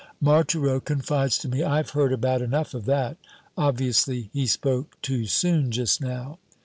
Marthereau confides to me, "I've heard about enough of that." Obviously he spoke too soon just now.